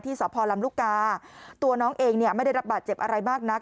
สพลำลูกกาตัวน้องเองเนี่ยไม่ได้รับบาดเจ็บอะไรมากนัก